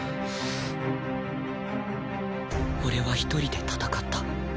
俺は一人で戦った